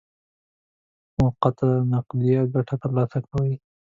موقته نقده ګټه ترلاسه کوي.